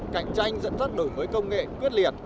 cảnh tranh dẫn dắt đổi với công nghệ quyết liệt